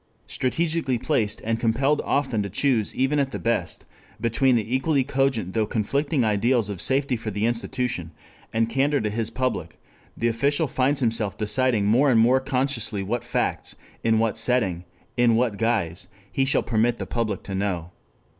Strategically placed, and compelled often to choose even at the best between the equally cogent though conflicting ideals of safety for the institution, and candor to his public, the official finds himself deciding more and more consciously what facts, in what setting, in what guise he shall permit the public to know.